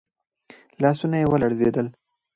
لاسونه يې ولړزېدل.